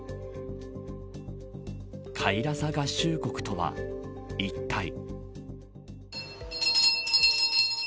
カイラサ合衆国とはいったい。